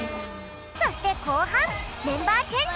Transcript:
そしてこうはんメンバーチェンジ！